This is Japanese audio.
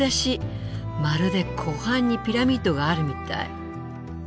まるで湖畔にピラミッドがあるみたい。